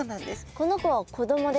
この子は子供ですか？